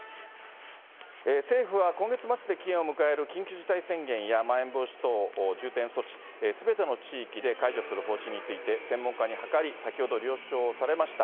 政府は今月末で期限を迎える緊急事態宣言や、まん延防止等重点措置、すべての地域で解除する方針について、専門家に諮り、先ほど了承されました。